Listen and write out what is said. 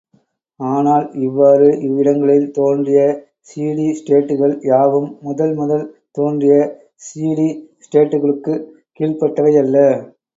ஆனால், இவ்வாறு இவ்விடங்களில் தோன்றிய சிடி ஸ்டேட்டுகள் யாவும் முதல் முதல் தோன்றிய சிடி ஸ்டேட்டுகளுக்குக் கீழ்ப்பட்டவையல்ல.